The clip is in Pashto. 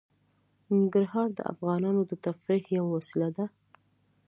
ننګرهار د افغانانو د تفریح یوه وسیله ده.